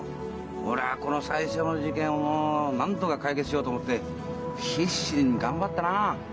俺はこの最初の事件をなんとか解決しようと思って必死に頑張ったな。